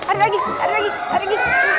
ada lagi ada lagi ada lagi